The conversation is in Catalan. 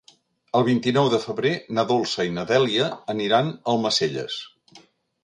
El vint-i-nou de febrer na Dolça i na Dèlia aniran a Almacelles.